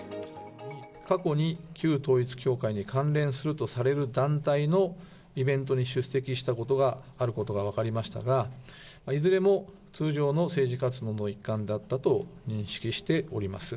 過去に旧統一教会に関連するとされる団体のイベントに出席したことがあることが分かりましたが、いずれも通常の政治活動の一環であったと認識しております。